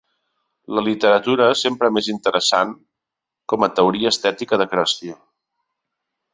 La literatura, sempre més interessant, com a teoria estètica de creació.